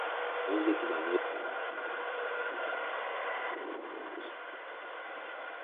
Music is a way to get out of your reality for a few minutes.